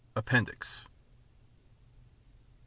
APPENDIX I.